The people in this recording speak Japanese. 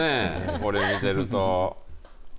これ見てると。